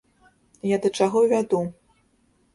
Я да чаго вяду.